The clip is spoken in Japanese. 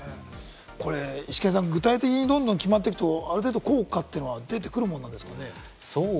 イシケンさん、具体的にどんどん決まっていくと、ある程度、効果は出てくるもんですかね？